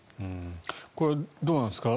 これ、どうなんですか。